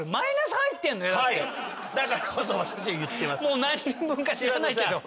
もう何人分か知らないけど。